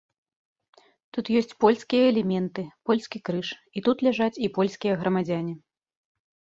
Тут ёсць польскія элементы, польскі крыж, і тут ляжаць і польскія грамадзяне.